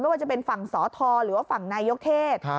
ว่าจะเป็นฝั่งสทหรือว่าฝั่งนายกเทศ